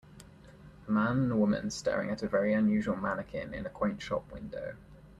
A man and a woman staring at a very unusual mannequin in a quaint shop window.